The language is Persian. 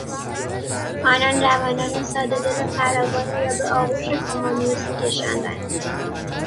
آنان جوانان سادهدل فراوانی را به آغوش کمونیسم کشاندند.